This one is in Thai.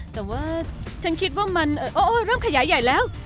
แต่ว่าฉันคิดว่ามันเริ่มขยายใหญ่แล้ว